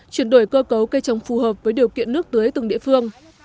chuyển đổi cơ cấu cây trồng phù hợp với điều kiện nước tưới từng địa phương